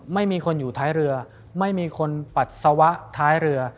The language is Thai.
ไม่มีคนอยู่ท้ายเรือไม่มีคนปัสสาวะท้ายเรือ